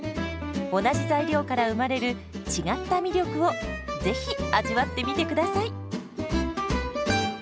同じ材料から生まれる違った魅力をぜひ味わってみてください。